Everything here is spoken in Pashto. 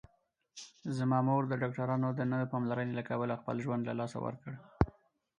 زما مور د ډاکټرانو د نه پاملرنې له کبله خپل ژوند له لاسه ورکړ